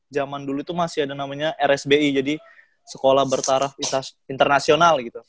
zaman dulu itu masih ada namanya rsbi jadi sekolah bertaraf internasional gitu